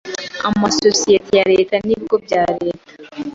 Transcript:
amasosiyeti ya Leta n ibigo bya Leta